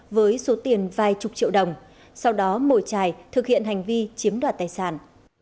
với số tiền vài chục triệu đồng sau đó mồi trài thực hiện hành vi chiếm đoạt tài sản